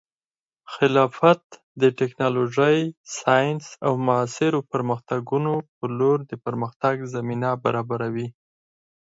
خلافت د ټیکنالوژۍ، ساینس، او معاصرو پرمختګونو په لور د پرمختګ زمینه برابروي.